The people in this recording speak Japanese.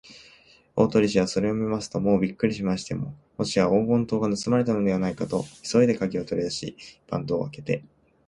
大鳥氏はそれを見ますと、もうびっくりしてしまって、もしや黄金塔がぬすまれたのではないかと、急いでかぎをとりだし、板戸をあけて